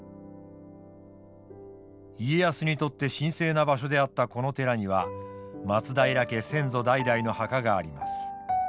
家康にとって神聖な場所であったこの寺には松平家先祖代々の墓があります。